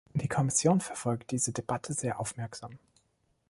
Die Kommission verfolgt diese Debatte sehr aufmerksam.